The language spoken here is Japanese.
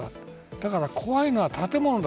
だから怖いのは建物だ。